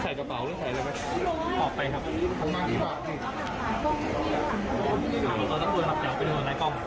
อ๋อตอนนี้ตำรวจหักใหญ่ไปดูข้างหลายกล้อง